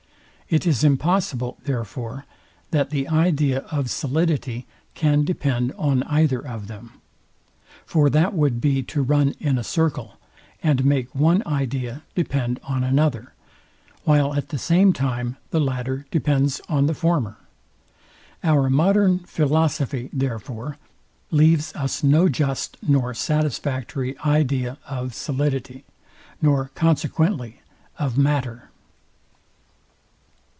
It is impossible, therefore, that the idea of solidity can depend on either of them. For that would be to run in a circle, and make one idea depend on another, while at the same time the latter depends on the former. Our modern philosophy, therefore, leaves us no just nor satisfactory idea of solidity; nor consequently of matter.